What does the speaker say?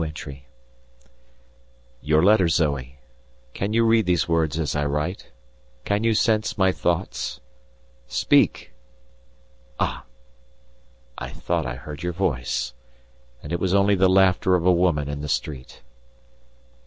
Your letter, Zoe! Can you read these words as I write; can you sense my thoughts? Speak! Ah! I thought I heard your voice, and it was only the laughter of a woman in the street.